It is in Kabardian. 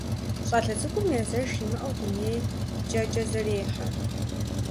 ЩӀалэ цӀыкӀум езэш имыӀэу дунейр кӀэкӀэ зэрехьэ.